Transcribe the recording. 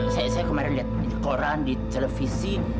saya kemarin lihat di koran di televisi